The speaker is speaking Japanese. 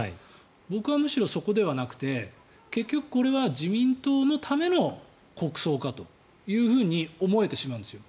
僕は、むしろそこではなくて結局、これは自民党のための国葬かというふうに思えてしまうんですよ。